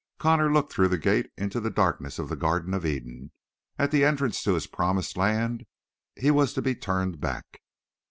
Connor looked through the gate into the darkness of the Garden of Eden; at the entrance to his promised land he was to be turned back.